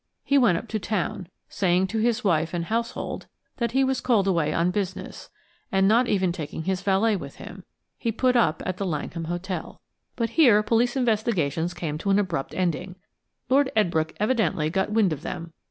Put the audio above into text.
He went up to town, saying to his wife and household that he was called away on business, and not even taking his valet with him. He put up at the Langham Hotel. But here police investigations came to an abrupt ending. Lord Edbrooke evidently got wind of them.